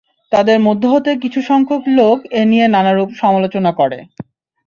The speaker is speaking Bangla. তাদের মধ্য হতে কিছু সংখ্যক লোক এ নিয়ে নানারূপ সমালোচনা করে।